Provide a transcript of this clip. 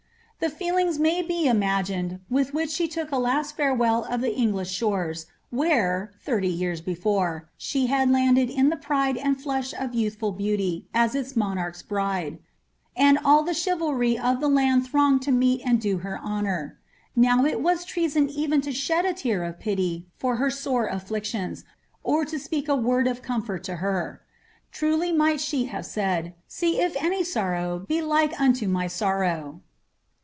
The feelings may be imagined with which she took a last farewell of the English shores, where, thirty years before, she baA lojided in the pride and flush of youthful beauty, as its monarch's bridsi and all tiic chivalry of ilie land thronged to meet sod do her honour. Now it was treason even to shed a tear of pity for her sore affliction*, or to apeak a word of comfort lo her. Truly might she have said, "■ See if any sorrow be like unto niy sorrow